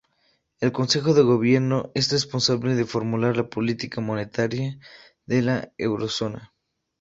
El Consejo de gobierno es responsable de formular la política monetaria de la Eurozona.